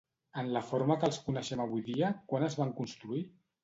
En la forma que els coneixem avui dia, quan es van construir?